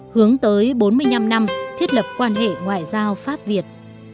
hướng tới bốn mươi năm năm thiết lập quan hệ ngoại giao pháp việt